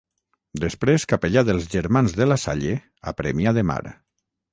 Després capellà dels germans de La Salle a Premià de Mar.